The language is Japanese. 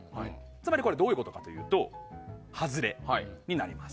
つまりこれはどういうことかというと外れになります。